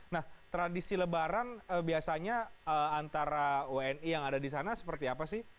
nah tradisi lebaran biasanya antara wni yang ada di sana seperti apa sih